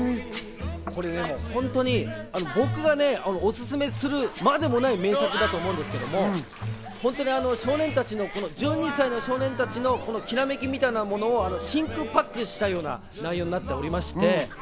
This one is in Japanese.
これ本当に僕がおすすめするまでもない名作だと思うんですけれども、１２歳の少年たちのきらめきみたいなものを真空パックしたような内容になっておりまして。